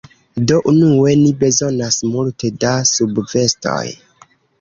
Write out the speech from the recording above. Do, unue ni bezonas multe da subvestoj